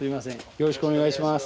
よろしくお願いします。